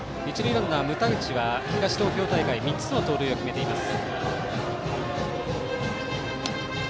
ランナー牟田口は東東京大会で３つの盗塁を決めています。